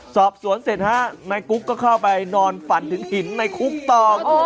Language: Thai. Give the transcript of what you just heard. สอบสวนเสร็จฮะนายกุ๊กก็เข้าไปนอนฝันถึงหินในคุกตอก